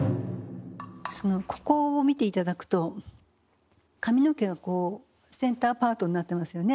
ここを見て頂くと髪の毛がこうセンターパートになってますよね。